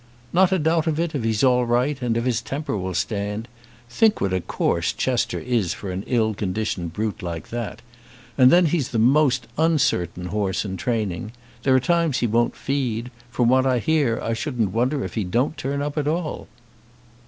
"Not a doubt of it, if he's all right, and if his temper will stand. Think what a course Chester is for an ill conditioned brute like that! And then he's the most uncertain horse in training. There are times he won't feed. From what I hear, I shouldn't wonder if he don't turn up at all."